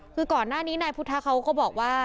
คือก่อนหน้านี้นายพุทธะเขาก็บอกว่า